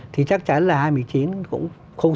thì chắc chắn là hai nghìn một mươi chín cũng không